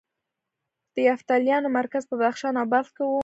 د یفتلیانو مرکز په بدخشان او بلخ کې و